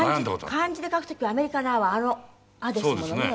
漢字で書く時はアメリカの「ア」はあの「亜」ですものね。